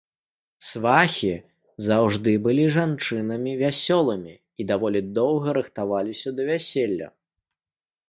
Свахі заўжды былі жанчынамі вясёлымі і даволі доўга рыхтаваліся да вяселля.